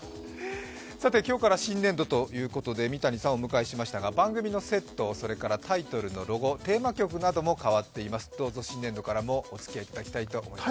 さて今日から新年度ということで三谷さんをお迎えしましたが番組のセット、それからタイトルのロゴ、それからテーマ曲なども変わっています、どうぞ新年度からもお付き合いいただきたいと思います。